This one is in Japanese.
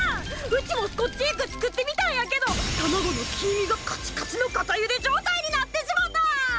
うちもスコッチエッグ作ってみたんやけど卵の黄身がカチカチの固ゆで状態になってしもた！